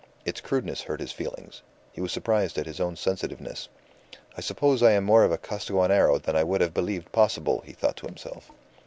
Its crudeness hurt his feelings. He was surprised at his own sensitiveness. "I suppose I am more of a Costaguanero than I would have believed possible," he thought to himself.